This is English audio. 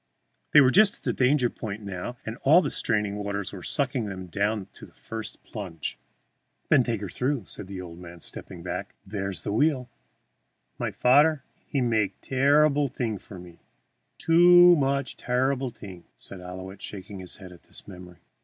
They were just at the danger point now, and all the straining waters were sucking them down to the first plunge. "Then take her through," said the old man, stepping back; "there is the wheel." "My fadder he make terreeble thing for me too much terreeble thing," said Ouillette, shaking his head at the memory.